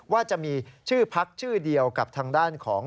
ว่าจะมีชื่อพักชื่อเดียวกับทางด้านของ